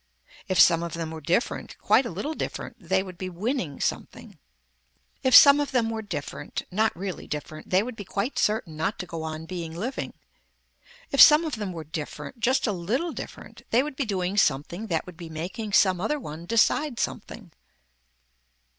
If some of them were different, quite a little different they would be winning something. If some of them were different, not really different, they would be quite certain not to go on being living. If some of them were different, just a little different they would be doing something that would be making some other one decide something.